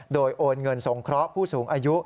โดยโอนเงินสงเคราะห์ผู้สูงอายุ